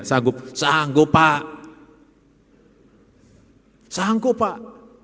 sagup sanggup pak sanggup pak